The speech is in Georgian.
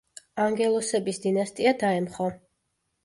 ანგელოსების დინასტია დაემხო.